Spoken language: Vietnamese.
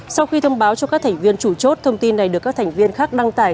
sau khi thông báo cho các thành viên chủ chốt thông tin này được các thành viên khác đăng tải